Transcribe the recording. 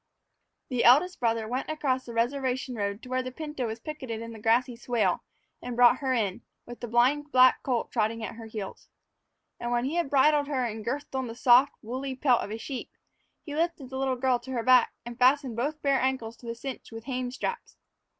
THE eldest brother went across the reservation road to where the pinto was picketed in the grassy swale, and brought her in, with her blind black colt trotting at her heels. And when he had bridled her and girthed on the soft, woolly pelt of a sheep, he lifted the little girl to her back and fastened both bare ankles to the cinch with hame straps.